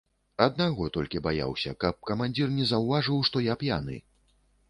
Аднаго толькі баяўся, каб камандзір не заўважыў, што я п'яны.